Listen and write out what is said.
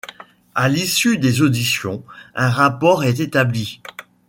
À l’issue des auditions, un rapport est établi.